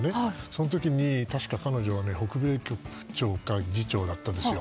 その時、確か彼女は北米局長か次長でしたね。